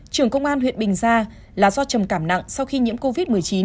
trưởng công an huyện bình gia là do trầm cảm nặng sau khi nhiễm covid một mươi chín